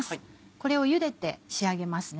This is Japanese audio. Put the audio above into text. これをゆでて仕上げますね。